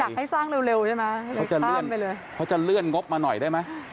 อยากให้สร้างเร็วใช่ไหมเพื่อเลื่อนงบมาหน่อยได้ไหม